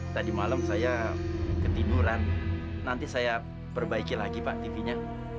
sampai jumpa di video selanjutnya